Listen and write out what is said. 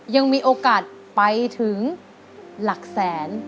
ยังมีโอกาสไปถึงหลักแสน